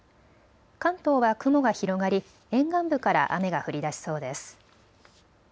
関東は雲が広がり沿岸部から雨が降りだしそうです。